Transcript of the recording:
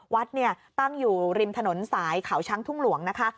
วัดเนี่ยตั้งอยู่ริมถนนสายเขาช้างทุ่งหลวงนะคะ